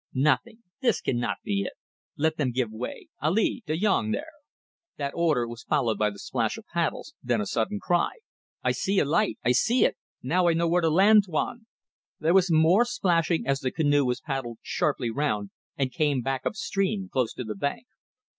"Nothing. This cannot be it. Let them give way, Ali! Dayong there!" That order was followed by the splash of paddles, then a sudden cry "I see a light. I see it! Now I know where to land, Tuan." There was more splashing as the canoe was paddled sharply round and came back up stream close to the bank.